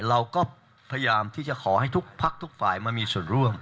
เราก็พยายามที่จะขอให้ทุกพักทุกฝ่ายมามีส่วนร่วม